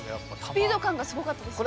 スピード感がすごかったですね。